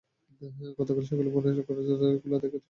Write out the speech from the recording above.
গতকাল সকালে বোনের ঘরের দরজা খোলা দেখতে পেয়ে তাঁর সন্দেহ হয়।